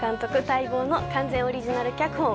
待望の完全オリジナル脚本。